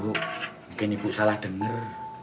mungkin ibu salah denger